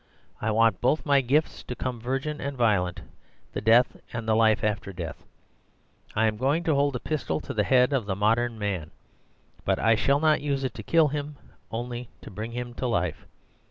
I want both my gifts to come virgin and violent, the death and the life after death. I am going to hold a pistol to the head of the Modern Man. But I shall not use it to kill him—only to bring him to life.